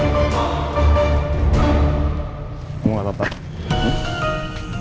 kamu gak apa apa